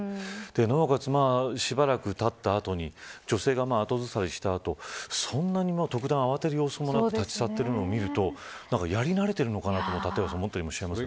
なおかつ、しばらくたった後に女性が後ずさりした後そんなに特段慌てる様子もなく立ち去ってるのを見るとやり慣れてるのかなと思ったりもしますが。